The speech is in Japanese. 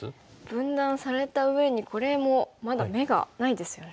分断されたうえにこれもまだ眼がないですよね。